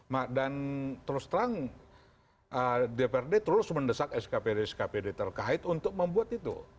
nah dan terus terang dprd terus mendesak skpd skpd terkait untuk membuat itu